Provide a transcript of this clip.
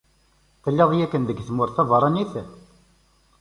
Telliḍ yakkan deg tmurt tabeṛṛanit?